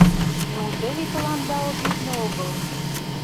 Неужели тыланда обидно огыл?